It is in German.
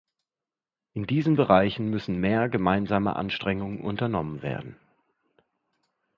In diesen Bereichen müssen mehr gemeinsame Anstrengungen unternommen werden.